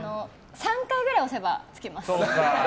３回ぐらい押せばつきます。